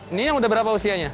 ini yang udah berapa usianya